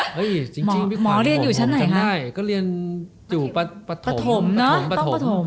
หมอเรียนอยู่ชั้นไหนฮะพี่ขวานรู้จังได้ก็เรียนอยู่ประถม